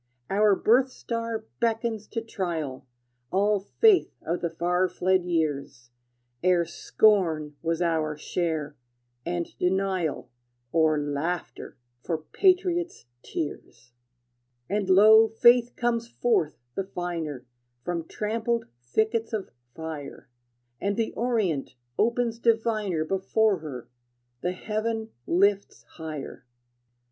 Our birth star beckons to trial All faith of the far fled years, Ere scorn was our share, and denial, Or laughter for patriot's tears. And lo, Faith comes forth the finer From trampled thickets of fire, And the orient opens diviner Before her; the heaven lifts higher.